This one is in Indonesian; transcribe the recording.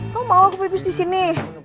kau mau aku pipis disini